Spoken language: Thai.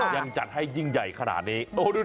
ยังจัดให้ยิ่งใหญ่ขนาดนี้